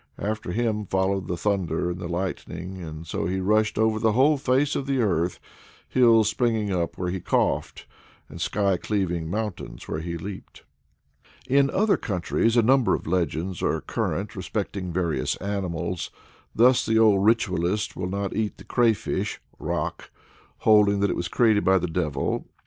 After him followed the thunder and the lightning, and so he rushed over the whole face of the earth, hills springing up where he coughed, and sky cleaving mountains where he leaped. As in other countries, a number of legends are current respecting various animals. Thus the Old Ritualists will not eat the crayfish (rak), holding that it was created by the Devil.